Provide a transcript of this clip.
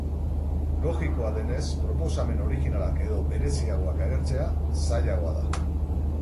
Logikoa denez, proposamen orijinalak edo bereziagoak agertzea zailagoa da.